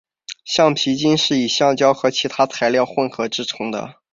橡皮筋是以橡胶和其他材料混合制成的。